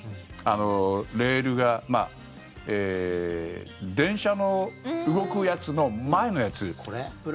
レールが電車の動くやつの前のやつ。